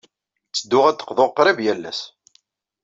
Ttedduɣ ad d-qḍuɣ qrib yal ass.